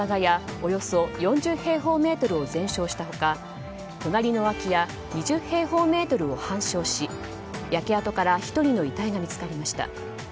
およそ４０平方メートルを全焼した他、隣の空き家２０平方メートルを半焼し焼け跡から１人の遺体が見つかりました。